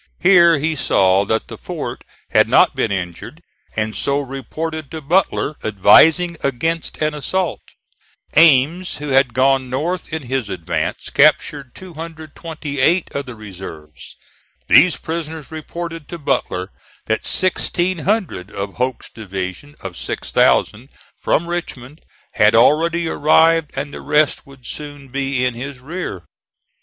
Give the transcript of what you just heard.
Here he saw that the fort had not been injured, and so reported to Butler, advising against an assault. Ames, who had gone north in his advance, captured 228 of the reserves. These prisoners reported to Butler that sixteen hundred of Hoke's division of six thousand from Richmond had already arrived and the rest would soon be in his rear.